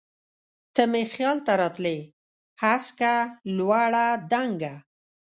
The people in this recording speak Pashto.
ته مي خیال ته راتلی هسکه، لوړه، دنګه